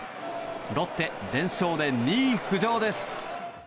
ロッテ、連勝で２位浮上です！